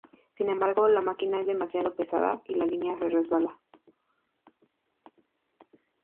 Sin embargo, la máquina es demasiado pesada y la línea se resbala.